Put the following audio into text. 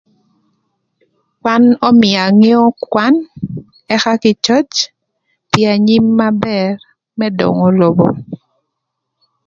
Kwan ömïa angeo kwan, ëka kï cöc pï anyim na bër më döngö lobo.